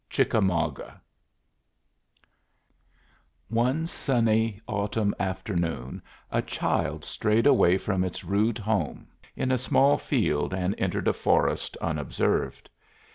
CHICKAMAUGA One sunny autumn afternoon a child strayed away from its rude home in a small field and entered a forest unobserved.